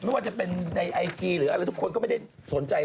ไม่ว่าจะเป็นในไอจีหรืออะไรทุกคนก็ไม่ได้สนใจ